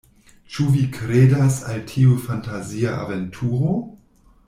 Ĉu vi kredas al tiu fantazia aventuro?